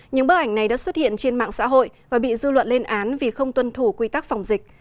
những bức ảnh này đã xuất hiện trên mạng xã hội và bị dư luận lên án vì không tuân thủ quy tắc phòng dịch